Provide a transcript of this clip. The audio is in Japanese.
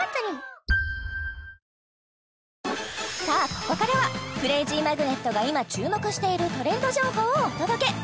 さあここからはくれいじーまぐねっとが今注目しているトレンド情報をお届け！